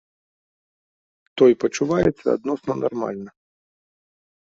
Той пачуваецца адносна нармальна.